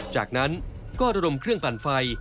จากนั้นก็ลดลมเครื่องลบันไฟ